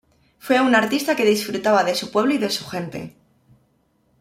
Fue un artista que disfrutaba de su pueblo y de su gente.